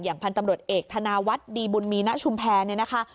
พันธุ์ตำรวจเอกธนาวัฒน์ดีบุญมีณชุมแพรเนี่ยนะคะ